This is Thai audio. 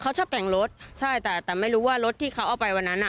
เขาชอบแต่งรถใช่แต่แต่ไม่รู้ว่ารถที่เขาเอาไปวันนั้นอ่ะ